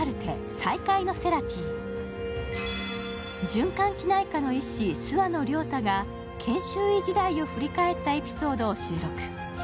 循環器内科の医師・諏訪野良太が研修医時代を振り返ったエピソードを収録。